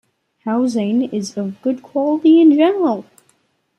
Housing is of good-quality in general.